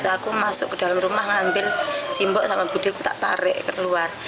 aku masuk ke dalam rumah ngambil simbok sama budi tak tarik keluar